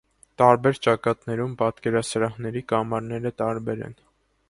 Տարբեր ճակատներում պատկերասրահների կամարները տարբեր են։